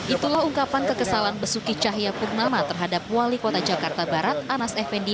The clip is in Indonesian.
itulah ungkapan kekesalan basuki cahayapurnama terhadap wali kota jakarta barat anas effendi